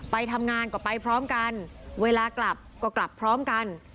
ไปทำงานก็ไปพร้อมกันเวลากลับก็กลับพร้อมกัน